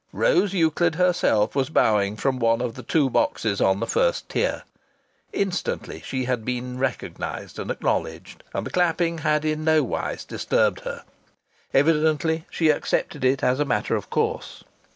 Rose Euclid herself was bowing from one of the two boxes on the first tier. Instantly she had been recognized and acknowledged, and the clapping had in no wise disturbed her. Evidently she accepted it as a matter of course.